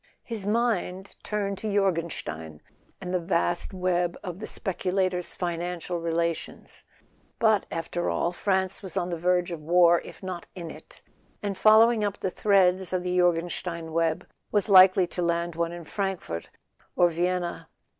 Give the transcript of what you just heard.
His mind turned to Jorgenstein, and the vast web of the speculator's financial relations. But, after all, France was on the verge of war, if not in it; and follow¬ ing up the threads of the Jorgenstein web was likely to land one in Frankfort or Vienna.